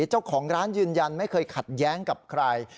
เจ้าของร้านยืนยันไม่เคยขัดแย้งกับใคร